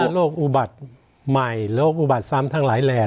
โรคอุบัติใหม่โรคอุบัติซ้ำทั้งหลายแหล่